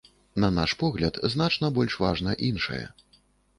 На наш погляд, значна больш важна іншае.